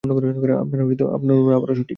আপনার অনুমান আবারো সঠিক।